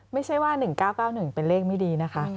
ไม่ใช่ว่า๑๙๙๑เป็นเลขไม่ดีนะคะ